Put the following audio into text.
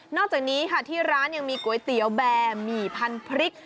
อกจากนี้ค่ะที่ร้านยังมีก๋วยเตี๋ยวแบร์หมี่พันธุ์พริก